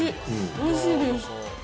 おいしいです。